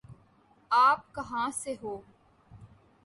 آپ کہاں سے ہوں؟